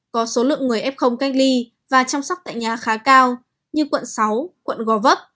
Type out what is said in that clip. có số lượng người f cách ly và chăm sóc tại nhà khá cao như quận sáu quận gò vấp